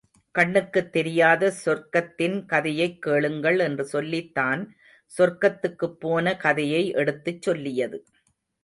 கண்ணுக்குத் தெரியாத சொர்க்கத்தின் கதையைக் கேளுங்கள் என்று சொல்லித் தான் சொர்க்கத்துக்குப்போன கதையை எடுத்துச் சொல்லியது.